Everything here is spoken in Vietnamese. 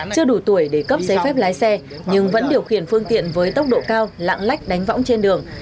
chưa đủ tuổi để cấp giấy phép lái xe nhưng vẫn điều khiển phương tiện với tốc độ cao lạng lách đánh võng trên đường